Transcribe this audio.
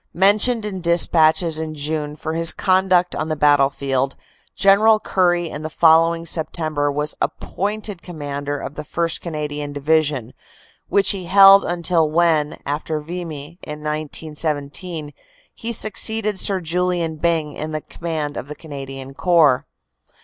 Mentioned in despatches in June for his conduct on the battlefield, General Currie in the following September was appointed commander of the 1st. Canadian Division, which he held until when, after Vimy in 1917, he succeeded Sir Julian Byng in command of the Canadian Corps.